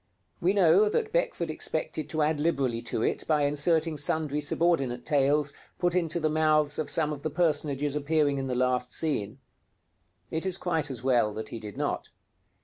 We know that Beckford expected to add liberally to it by inserting sundry subordinate tales, put into the mouths of some of the personages appearing in the last scene. It is quite as well that he did not.